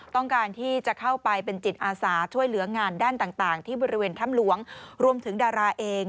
ต้องการที่จะเข้าไปเป็นจิตอาสาช่วยเหลืองานด้านต่างที่บริเวณถ้ำหลวงรวมถึงดาราเอง